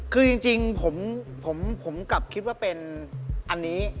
คือจริงผมกลับคิดว่าเป็นอันนี้